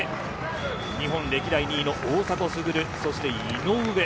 日本歴代２位の大迫傑そして井上。